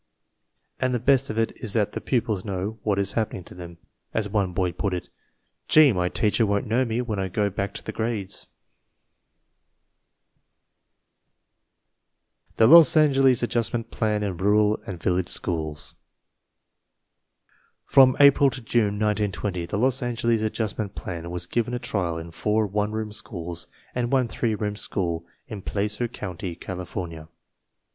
And the best of it is that the pupils know what is happening to them. As one boy put it, "Gee! my teacher won't know me when I go back to the grades !" THE LOS ANGELES ADJUSTMENT PLAN IN RURAL AND VILLAGE SCHOOLS From April to June, 1920, the Los Angeles Adjust ment Plan was given a trial in four one room schools and one three room school in Placer County, Cali fornia.